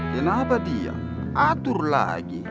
kenapa dia atur lagi